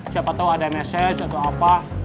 siapa tahu ada message atau apa